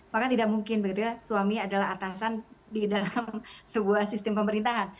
maka tidak mungkin begitu ya suami adalah atasan di dalam sebuah sistem pemerintahan